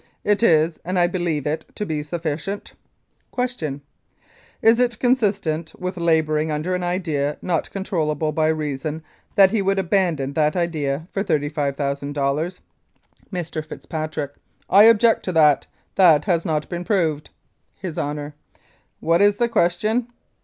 It is, and I believe it to be sufficient. Q. Is it consistent with labouring under an idea not controllable by reason that he would abandon that idea for $35,000? Mr. FITZPATRICK: I object to that. That has not been proved. HIS HONOUR: What is the question?